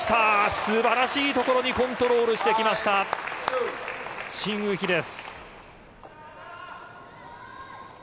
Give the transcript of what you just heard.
素晴らしいところにコントロールしてきました、チン・ウヒです。